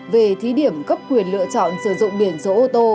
về thí điểm cấp quyền lựa chọn sử dụng biển số ô tô